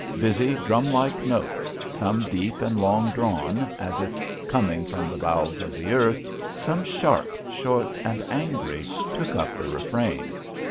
Busy, drum like notes, some deep and long drawn, as if coming from the bowels of the earth, some sharp, short, and angry, took up the refrain.